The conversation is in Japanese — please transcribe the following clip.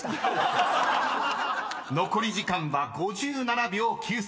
［残り時間は５７秒９３］